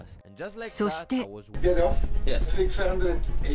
そして。